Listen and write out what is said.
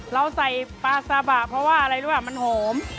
เราใส่ปลาซาบะเพราะว่าอะไรรู้ป่ะมันหอม